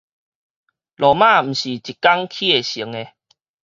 羅馬毋是一工起會成的